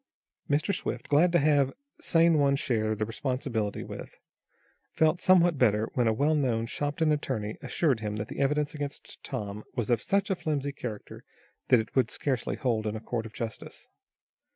Mr. Swift, glad to have someone share the responsibility with, felt somewhat better when a well known Shopton attorney assured him that the evidence against Tom was of such a flimsy character that it would scarcely hold in a court of justice.